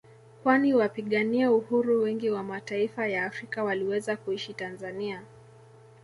Kwani wapigania uhuru wengi wa mataifa ya Afrika waliweza kuishi Tanzania